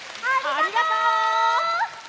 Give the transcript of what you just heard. ありがとう！